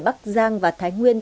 bắc giang và thái nguyên